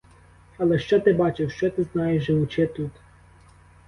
Але що ти бачив, що ти знаєш, живучи тут?